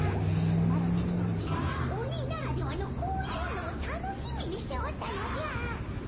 マロたちとはちがう鬼ならではのこういうのを楽しみにしておったのじゃ。